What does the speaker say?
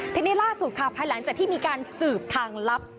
ทีนี้ล่าสุดค่ะภายหลังจากที่มีการสืบทางลับ